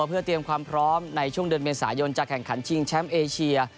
เพื่อเตรียมความพร้อมในช่วงเดือนเมษายนจะแข่งขันชิงแชมป์เอเชีย